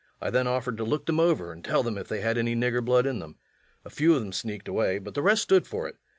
I then offered to look them over and tell them if they had any nigger blood in them. A few of them sneaked away, but the rest stood for it.